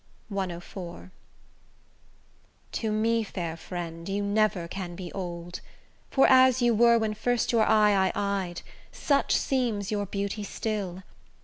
CIV To me, fair friend, you never can be old, For as you were when first your eye I ey'd, Such seems your beauty still.